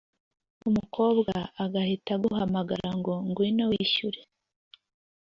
umukobwa agahita aguhamagara ngo ngwino wishyure